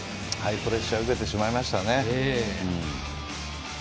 プレッシャーを受けてしまいましたね。